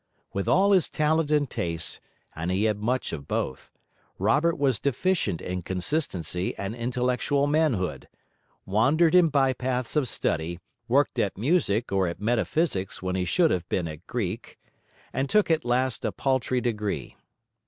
With all his talent and taste (and he had much of both) Robert was deficient in consistency and intellectual manhood, wandered in bypaths of study, worked at music or at metaphysics when he should have been at Greek, and took at last a paltry degree.